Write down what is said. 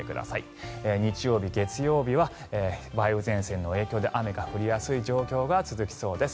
日曜日、月曜日は梅雨前線の影響で雨が降りやすい状況が続きそうです。